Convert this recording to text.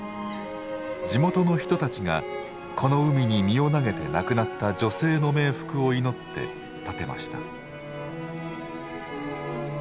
地元の人たちがこの海に身を投げて亡くなった女性の冥福を祈って建てました。